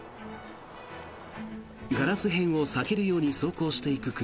ガラス片を避けるように走行していく車。